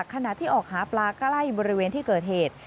ขณะที่ออกหาปลาใกล้บริเวณที่เกิดเหตุ